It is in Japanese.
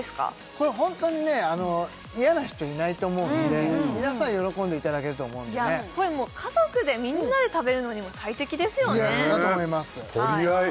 これホントにね嫌な人いないと思うので皆さん喜んでいただけると思うのでねこれもう家族でみんなで食べるのにも最適ですよねだと思いますね取り合い